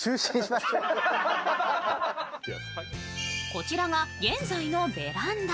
こちらが現在のベランダ。